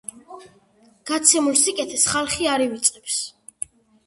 გაცემულ სიკეთეს ხალხი არ ივიწყებს!